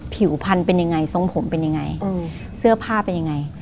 ผิวพันธุ์เป็นยังไงทรงผมเป็นยังไงเสื้อผ้าเป็นยังไง